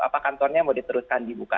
apa kantornya mau diteruskan dibuka